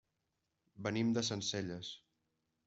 Venim de Sencelles.